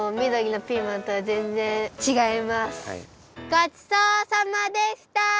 ごちそうさまでした！